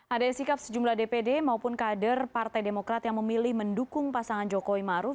ada sikap sejumlah dpd maupun kader partai demokrat yang memilih mendukung pasangan jokowi maruf